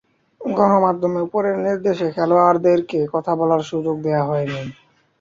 গণমাধ্যমে ‘উপরের নির্দেশে’ খেলোয়াড়দেরকে কথা বলার সুযোগ দেয়া হয়নি।